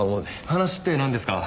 話ってなんですか？